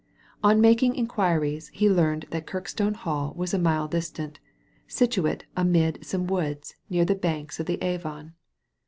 On making inquiries he learned that Kirkstone Hall was a mile distant, situate amid some woods near the banks of the Avon.